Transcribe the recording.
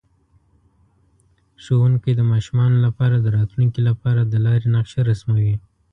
ښوونکی د ماشومانو لپاره د راتلونکي لپاره د لارې نقشه رسموي.